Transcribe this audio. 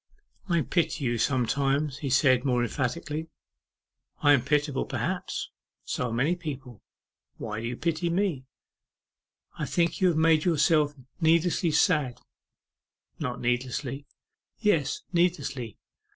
'I pity you sometimes,' he said more emphatically. 'I am pitiable, perhaps; so are many people. Why do you pity me?' 'I think that you make yourself needlessly sad.' 'Not needlessly.' 'Yes, needlessly.